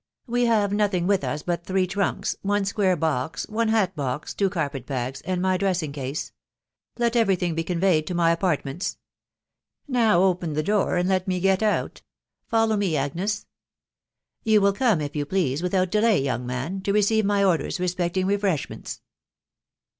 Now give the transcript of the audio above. We have nothing with us but three trunks, one square box, one hat box, two carpet bags, and my dressing, case. Let every thing be conveyed to my apartments. Now open the door, and let me get out. ... Follow me, Agnes. ... You will come, if you please, without delay, young man, to receive my orders respecting refreshments."